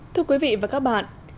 thưa quý vị và các bạn